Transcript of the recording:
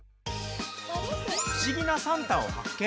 不思議なサンタを発見。